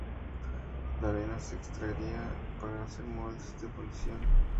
La arena se extraía para hacer moldes de fundición.